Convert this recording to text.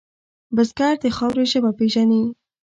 بزګر د خاورې ژبه پېژني